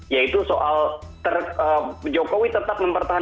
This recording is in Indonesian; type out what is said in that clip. yaitu soal jokowi tetap mempertahankan